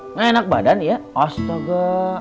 ngenak badan ya astaga